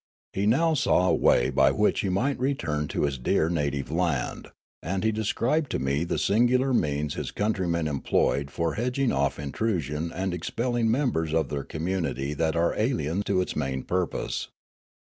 He now saw a way by which he might return to his dear native land, and he described to me the singular means his country men employed for hedging off intrusion and expelling members of their community that are alien to its main purpose.